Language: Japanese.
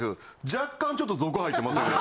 若干ちょっと族入ってますよね。